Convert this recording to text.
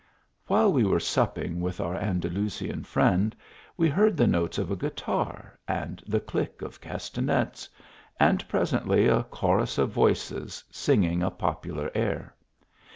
THE JOURNEY. 17 While we were supping with our Andalusian friend, we heard the notes of a guitar and the click of castanets, and presently, a chorus of voices, sing ing a popular air.